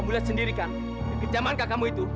kamu lihat sendiri kan kekejamankah kamu itu